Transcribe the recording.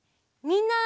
みんな！